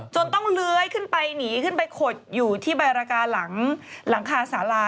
จนต้องเลื้อยขึ้นไปหนีขึ้นไปขดอยู่ที่ใบรกาหลังคาสารา